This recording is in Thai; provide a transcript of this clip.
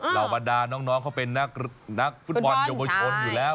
เหล่าบรรดาน้องเขาเป็นนักฟุตบอลเยาวชนอยู่แล้ว